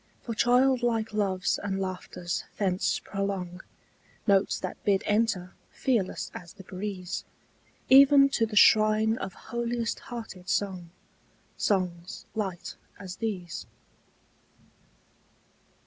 For childlike loves and laughters thence prolong Notes that bid enter, fearless as the breeze, Even to the shrine of holiest hearted song, Songs light as these.